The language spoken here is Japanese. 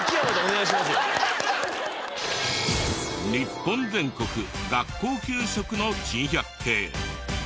日本全国学校給食の珍百景。